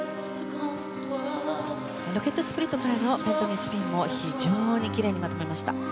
ロケットスプリットからのスピンも非常にきれいにまとめました。